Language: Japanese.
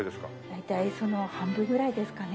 大体その半分ぐらいですかね。